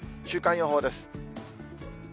週間予報です。